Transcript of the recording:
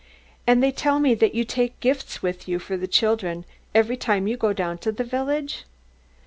"And they tell me that you take gifts with you for the children every time you go down to the village.